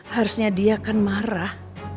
harusnya dia akan marah